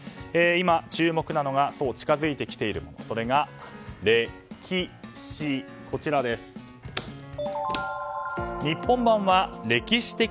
今、注目なのが近づいてきているそれが、レキシ。